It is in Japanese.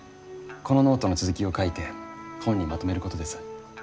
このノートの続きを書いて本にまとめることです。